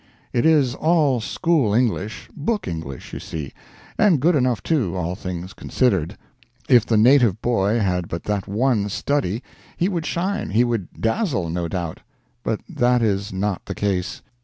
It is all school English, book English, you see; and good enough, too, all things considered. If the native boy had but that one study he would shine, he would dazzle, no doubt. But that is not the case.